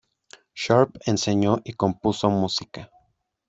Sharp enseñó y compuso música.